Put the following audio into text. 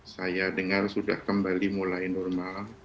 saya dengar sudah kembali mulai normal